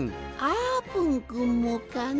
あーぷんくんもかね。